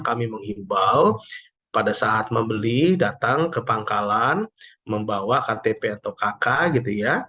kami menghimbau pada saat membeli datang ke pangkalan membawa ktp atau kk gitu ya